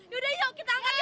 yaudah yuk kita angkat yuk